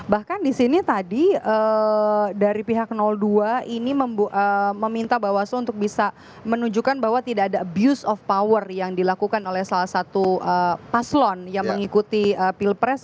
bahkan di sini tadi dari pihak dua ini meminta bawaslu untuk bisa menunjukkan bahwa tidak ada abuse of power yang dilakukan oleh salah satu paslon yang mengikuti pilpres